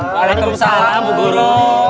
waalaikumsalam bu guru